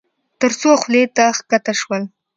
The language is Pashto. تر څو خولې ته کښته شول.